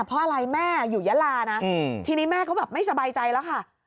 เพราะอะไรแม่อยู่ยะลานะทีนี้แม่เขาแบบไม่สบายใจแล้วค่ะ